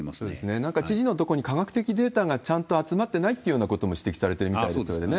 なんか知事の所に科学的データがちゃんと集まってないというようなことも指摘されてるみたいですよね。